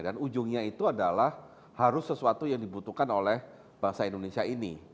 dan ujungnya itu adalah harus sesuatu yang dibutuhkan oleh bangsa indonesia ini